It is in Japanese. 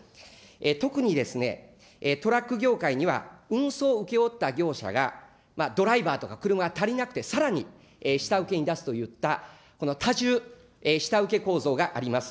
特にトラック業界には運送を請け負った業者が、ドライバーとか車が足りなくて、さらに下請けに出すといった、多重下請け構造があります。